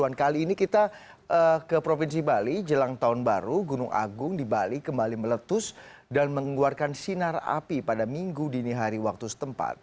dan kali ini kita ke provinsi bali jelang tahun baru gunung agung di bali kembali meletus dan mengeluarkan sinar api pada minggu dini hari waktu setempat